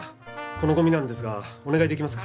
このゴミなんですがお願い出来ますか？